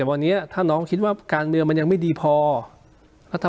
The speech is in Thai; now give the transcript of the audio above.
แต่วันนี้ถ้าน้องคิดว่าการเมืองมันยังไม่ดีพอรัฐ